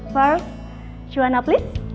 pertama cuana tolong